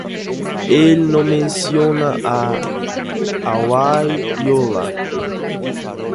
Él no menciona a Hawaiʻiloa.